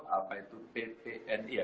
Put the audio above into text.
apa itu ptni ya